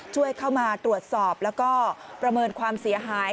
ช่วยเข้ามาตรวจสอบแล้วก็ประเมินความเสียหาย